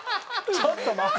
ちょっと待って。